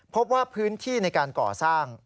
พบว่าพื้นที่ในการก่อสร้าง